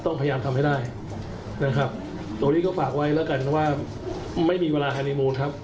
พยายามทำให้ได้นะครับตรงนี้ก็ฝากไว้แล้วกันว่าไม่มีเวลาฮานีมูลครับ